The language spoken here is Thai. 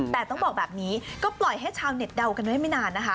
แต่ต้องบอกแบบนี้ก็ปล่อยให้ชาวเน็ตเดากันไว้ไม่นานนะคะ